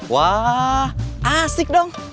wah asik dong